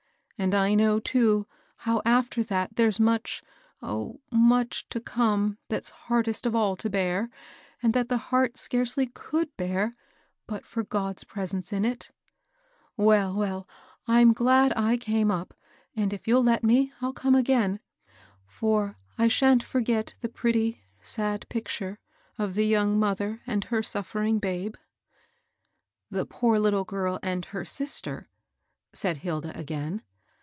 And I know, too, how after that there's much, — oh, much to come that's hardest of all to bear, and that the heart scarcely could bear but for God's presence in it. ^^ Well, well I I'm glad I came up ; and, if you'll let me, I'll come again ; for I shan't forget the pretty, sad picture of the young mother and her suffering babe." ^^ The poor little girl and h^ sister," said Hilda again.